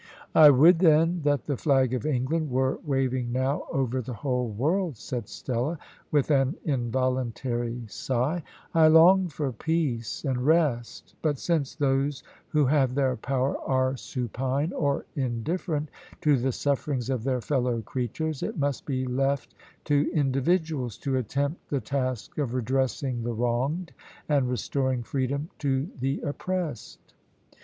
"I would, then, that the flag of England were waving now over the whole world," said Stella, with an involuntary sigh; "I long for peace and rest, but since those who have the power are supine or indifferent to the sufferings of their fellow creatures, it must be left to individuals to attempt the task of redressing the wronged, and restoring freedom to the oppressed."